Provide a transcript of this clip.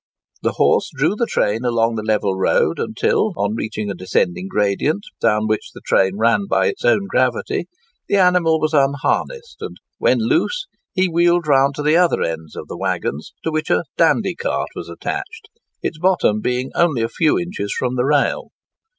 The horse drew the train along the level road, until, on reaching a descending gradient, down which the train ran by its own gravity, the animal was unharnessed, and, when loose, he wheeled round to the other end of the waggons, to which a "dandy cart" was attached, its bottom being only a few inches from the rail.